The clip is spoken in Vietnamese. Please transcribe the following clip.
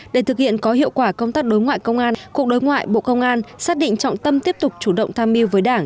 để thực hiện có hiệu quả công tác đối ngoại công an cục đối ngoại bộ công an xác định trọng tâm tiếp tục chủ động tham mưu với đảng